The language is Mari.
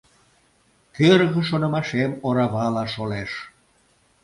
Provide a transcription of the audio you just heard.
Кӧргӧ шонымашем оравала шолеш.